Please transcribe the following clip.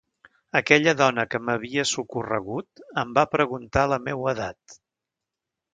Aquella dona que m’havia socorregut em va preguntar la meua edat.